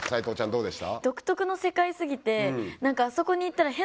どうでした？